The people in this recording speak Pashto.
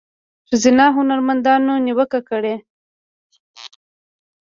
ښځینه هنرمندانو نیوکه کړې